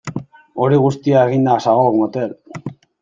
Hori guztia eginda zagok motel!